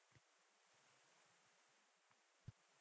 Keksalik hurmatiga ezgulik bilan erishish mumkin.